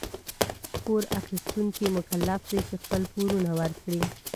پور اخيستونکي مکلف دي چي خپل پورونه ورکړي.